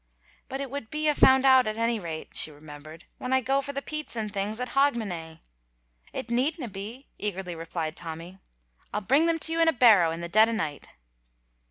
"But it would be a' found out at any rate," she remembered, "when I go for the peats and things at Hogmanay." "It needna be," eagerly replied Tommy. "I'll bring them to you in a barrow in the dead o' night."